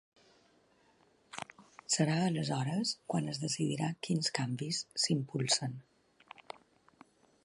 Serà aleshores quan es decidirà quins canvis s’impulsen.